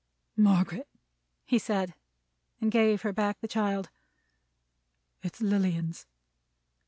"Margaret!" he said; and gave her back the child. "It's Lilian's."